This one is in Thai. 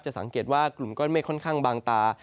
สังเกตว่ากลุ่มก้อนเมฆค่อนข้างบางตา